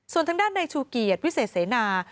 ส่วนทางด้านในชูเกียรติวิเศษเสนา